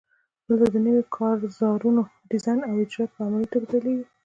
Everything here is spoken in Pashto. دلته د نویو کارزارونو ډیزاین او اجرا په عملي توګه پیلیږي.